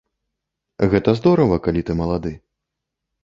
Гэта здорава, калі ты малады.